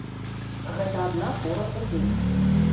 Гэта адна фура ў дзень.